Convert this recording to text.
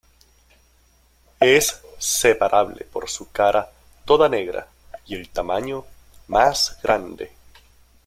Es separable por su cara toda negra y el tamaño más grande.